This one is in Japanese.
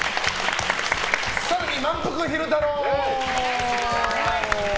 更に、まんぷく昼太郎！